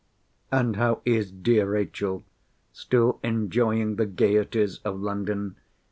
And how is dear Rachel? Still enjoying the gaieties of London?